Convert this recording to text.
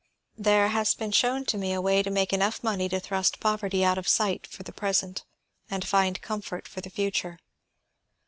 "There has been shown to me a way to make enough money to thrust poverty out of sight for the present and find comfort for the future.